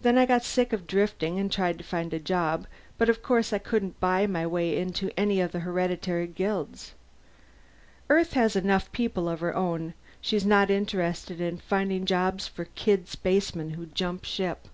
Then I got sick of drifting and tried to find a job, but of course I couldn't buy my way in to any of the hereditary guilds. Earth has enough people of her own; she's not interested in finding jobs for kid spacemen who jump ship.